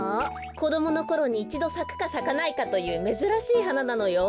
こどものころにいちどさくかさかないかというめずらしいはななのよ。